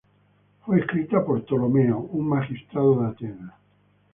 Fue escrita por Ptolomeo, un magistrado de Atenas.